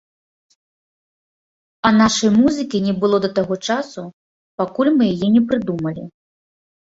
А нашай музыкі не было да таго часу, пакуль мы яе не прыдумалі.